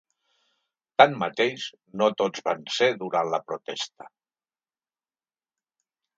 Tanmateix, no tots van ser durant la protesta.